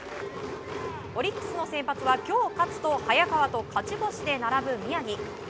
オリックスの先発は、今日勝つと早川と勝ち星で並ぶ宮城。